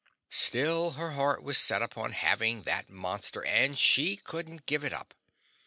Still, her heart was set upon having that monster, and she couldn't give it up.